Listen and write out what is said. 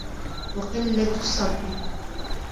وَقِلَّةُ الصَّبْرِ